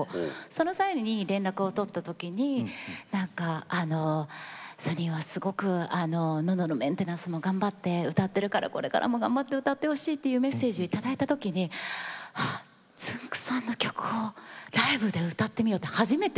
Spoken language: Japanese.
その際に連絡を取った時になんかソニンはすごく喉のメンテナンスも頑張って歌ってるからこれからも頑張って歌ってほしいというメッセージを頂いた時にあぁつんく♂さんの曲をライブで歌ってみようって初めて。